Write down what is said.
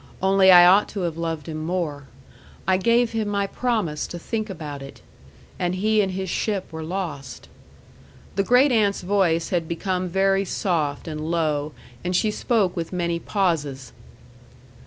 Only I ought to have loved him more. I gave him my promise to think about it. And he and his ship were lost." The great aunt's voice had become very soft and low, and she spoke with many pauses.